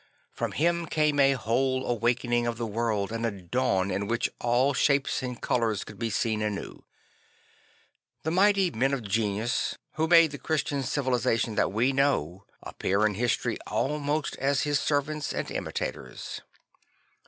From him came a whole awaken ing of the world and a dawn in which all shapes and colours could be seen ane\v. The mighty men of genius who made the Christian civilisation that we know appear in history almost as his servants and imitators.